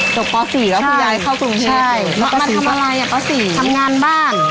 จากปลาสีแล้วคุณยายเข้าตรงเทพใช่มันทำอะไรน่ะปลาสีทำงานบ้าน